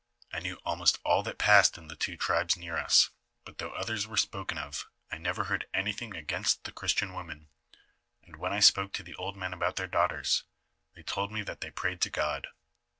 I knew almost all that passed in two tribes near us, but though others were spoken of, I never heard anything against the Christian women, and when I spoke to the old men about their daughters, thoy told me that they prayed to God.